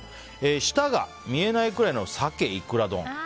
下が見えないくらいの鮭イクラ丼。